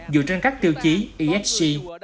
dựa trên các tiêu chí esc